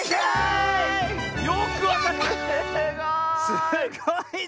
すごい！